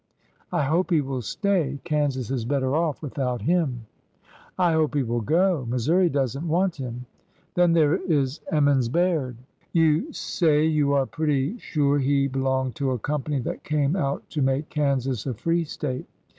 . I hope he will stay. Kansas is better off without him." '' I hope he will go. Missouri does n't want him. ... Then there is Emmons Baird. You say you are pretty sure he belonged to a company that came out to make Kansas a free State.